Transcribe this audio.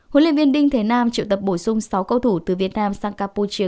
huấn luyện viên đinh thế nam triệu tập bổ sung sáu cầu thủ từ việt nam sang campuchia